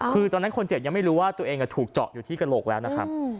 คือตอนนั้นคนเจ็บยังไม่รู้ว่าตัวเองถูกเจาะอยู่ที่กระโหลกแล้วนะครับ